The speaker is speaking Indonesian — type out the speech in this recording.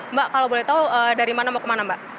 mbak kalau boleh tahu dari mana mau kemana mbak